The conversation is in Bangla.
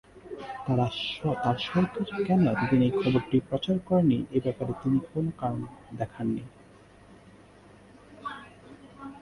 তার সরকার কেন এতদিন এ খবরটি প্রচার করেনি এ ব্যাপারে তিনি কোন কারণ দেখান নি।